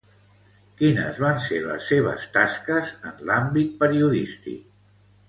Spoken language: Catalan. Quines van ser les seves tasques en l'àmbit periodístic?